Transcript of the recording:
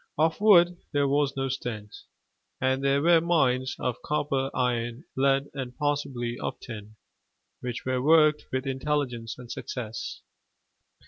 Of wood there was no stint: and there were mines of copper, iron, lead, and possibly of tin, which were worked with intelligence and success.